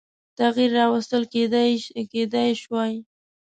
تغییر راوستل کېدلای شوای.